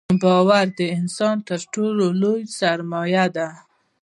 • باور د انسان تر ټولو لوی سرمایه ده.